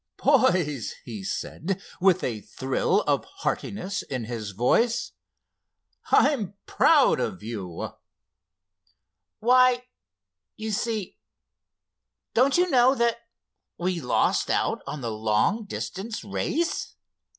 "Boys," he said, with a thrill of heartiness in his voice, "I'm proud of you!" "Why—you see—don't you know that we lost out on the long distance race?"